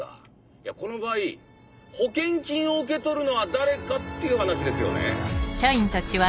いやこの場合保険金を受け取るのは誰かっていう話ですよね。